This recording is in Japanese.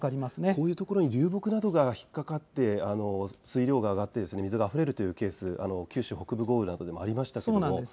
こういうところに流木などが引っかかって推量が上がって水があふれるケース九州北部豪雨などでもありました。